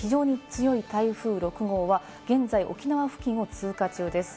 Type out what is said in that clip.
大型で非常に強い台風６号は現在、沖縄付近を通過中です。